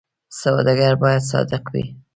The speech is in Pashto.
سوداګر باید صادق وي